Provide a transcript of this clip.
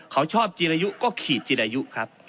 เขาชอบจีรายุก็ขีดจีรายุครับ